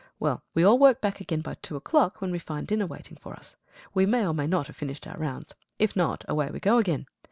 Well, we all work back again by two o'clock, when we find dinner waiting for us. We may or may not have finished our rounds. If not away we go again.